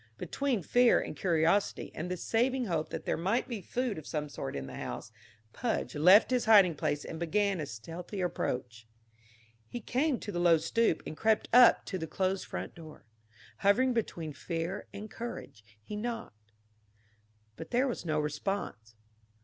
Between fear and curiosity and the saving hope that there might be food of some sort in the house, Pudge left his hiding place and began a stealthy approach. He came to the low stoop and crept up to the closed front door. Hovering between fear and courage, he knocked. But there was no response.